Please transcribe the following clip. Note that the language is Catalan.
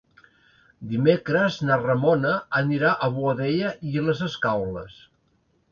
Dimecres na Ramona anirà a Boadella i les Escaules.